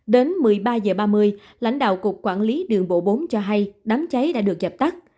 đến một mươi ba h ba mươi lãnh đạo cục quản lý đường bộ bốn cho hay đám cháy đã được dập tắt